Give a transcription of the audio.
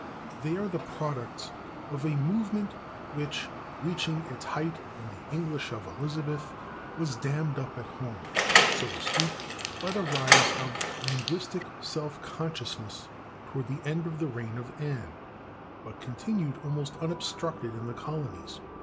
They are the products of a movement which, reaching its height in the English of Elizabeth, was dammed up at home, so to speak, by the rise of linguistic self consciousness toward the end of the reign of Anne, but continued almost unobstructed in the colonies.